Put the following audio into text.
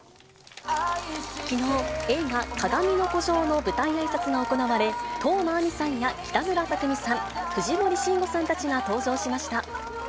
きのう、映画、かがみの孤城の舞台あいさつが行われ、當真あみさんや北村匠海さん、藤森慎吾さんたちが登場しました。